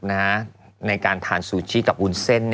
ในการทานซูชิกับวุ้นเส้น